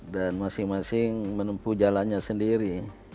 dan masing masing menempuh jalannya sendiri